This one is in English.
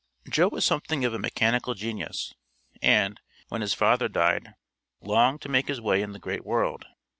Joe was something of a mechanical genius and, when his father died, longed to make his way in the great world.